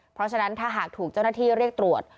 เพราะฉะนั้นถ้าหากถูกเจ้าหน้าที่เรียกตรวจ